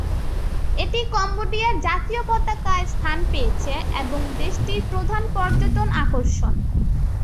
এটি কম্বোডিয়ার জাতীয় পতাকায় স্থান পেয়েছে, এবং দেশটির প্রধান পর্যটন আকর্ষণ।